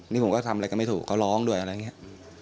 นี่ผมก็ทำอะไรก็ไม่ถูกเขาร้องด้วยอะไรอย่างนี้